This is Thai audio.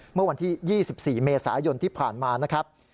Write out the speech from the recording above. เมื่อวันที่๒๔เมษายนที่ผ่านมานะครับ